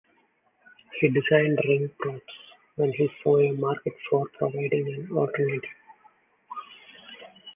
He designed Ring Pops when he saw a market for providing an alternative.